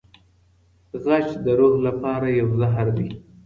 غچ د روح لپاره یو زهر دی.